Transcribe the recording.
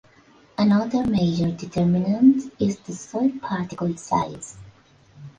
Another major determinant is the soil particle size.